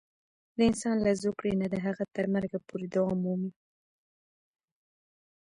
د انسان له زوکړې نه د هغه تر مرګه پورې دوام مومي.